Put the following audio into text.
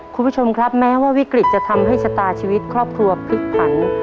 คุณผู้ชมครับแม้ว่าวิกฤตจะทำให้ชะตาชีวิตครอบครัวพลิกผัน